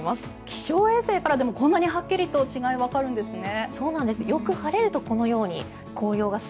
気象衛星からでもこんなにはっきりと違いわかるんですね。